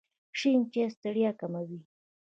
شنې چایی ستړیا کموي.